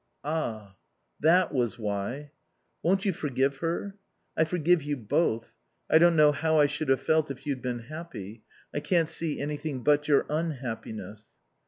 "Ah that was why " "Won't you forgive her?" "I forgive you both. I don't know how I should have felt if you'd been happy. I can't see anything but your unhappiness."